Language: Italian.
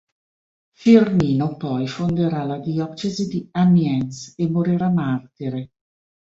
Firmino poi fonderà la diocesi di Amiens e morirà martire.